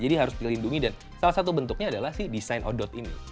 jadi harus dilindungi dan salah satu bentuknya adalah si desain o dot ini